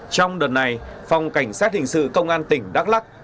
trong đợt này phòng cảnh sát hình sự công an tỉnh đắk lắc